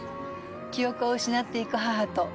記憶を失っていく母と忘れたい